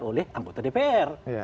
oleh anggota dpr